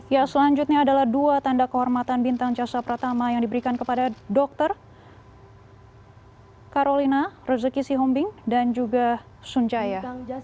ya selanjutnya adalah dua tanda kehormatan bintang jasa pertama yang diberikan kepada dr carolina rezekisi hombing dan juga sunjaya